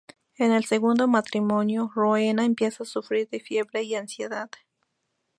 En el segundo matrimonio, Rowena empieza a sufrir de fiebre y ansiedad.